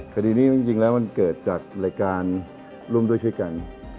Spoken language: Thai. คดีนี้จริงแล้วมันเกิดจากรายการร่วมด้วยช่วยกัน